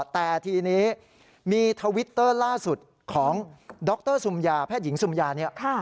แต่ทีนี้มีทวิตเตอร์ล่าสุดของดรซุมยาแพทย์หญิงซุมยาเนี่ย